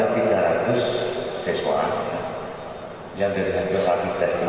jadi ditemukan ada tiga ratus siswa yang berhasil repit tes